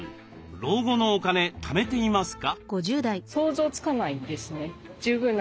老後のお金ためていますか？